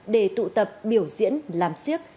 để tụ tập biểu diễn làm siếc